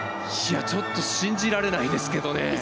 ちょっと信じられないですけどね。